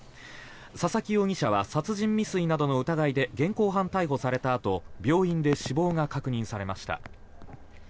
佐々木容疑者は殺人未遂などの疑いで現行犯逮捕された後病院で死亡が確認されました。